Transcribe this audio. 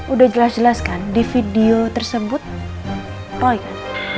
udah jelas jelas kan di video tersebut roy kan